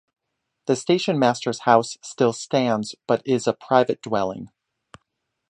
The station master's house still stands but is a private dwelling.